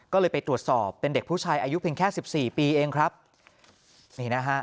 ก็เลยไปตรวจสอบเป็นเด็กผู้ชายอายุเพียงแค่๑๔ปี